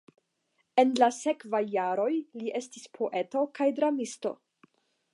En la sekvaj jaroj li estis poeto kaj dramisto.